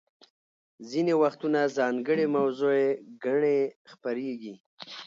ځینې وختونه ځانګړې موضوعي ګڼې خپریږي.